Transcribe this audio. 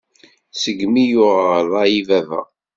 Seg-mi i yuɣeɣ ṛṛay i baba.